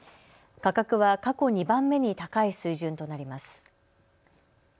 価格は過去２番目に高い水準となります。